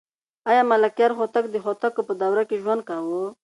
آیا ملکیار هوتک د هوتکو په دوره کې ژوند کاوه؟